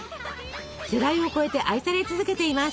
世代を超えて愛され続けています。